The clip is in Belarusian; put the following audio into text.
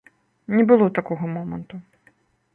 Не было такога моманту.